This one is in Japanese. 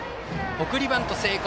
送りバント成功。